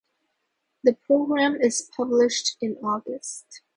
The program is published in August.